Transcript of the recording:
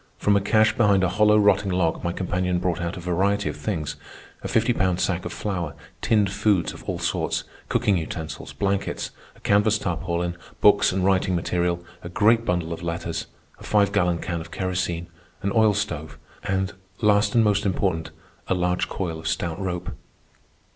From a cache behind a hollow rotting log my companion brought out a variety of things,—a fifty pound sack of flour, tinned foods of all sorts, cooking utensils, blankets, a canvas tarpaulin, books and writing material, a great bundle of letters, a five gallon can of kerosene, an oil stove, and, last and most important, a large coil of stout rope.